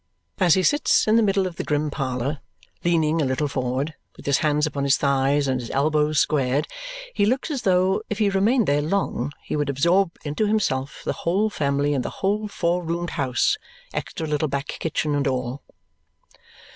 As he sits in the middle of the grim parlour, leaning a little forward, with his hands upon his thighs and his elbows squared, he looks as though, if he remained there long, he would absorb into himself the whole family and the whole four roomed house, extra little back kitchen and all.